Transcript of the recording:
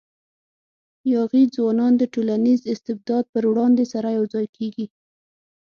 یاغي ځوانان د ټولنیز استبداد پر وړاندې سره یو ځای کېږي.